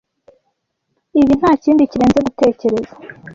Ibi ntakindi kirenze gutekereza.